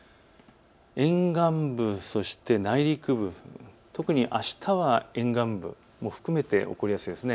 沿岸部、そして内陸部、特にあしたは沿岸部も含めて起こりやすいです。